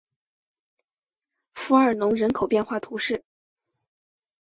弗尔农人口变化图示